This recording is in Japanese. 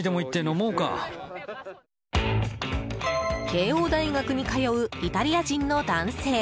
慶應大学に通うイタリア人の男性。